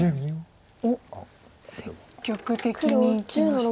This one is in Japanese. おっ積極的にいきました。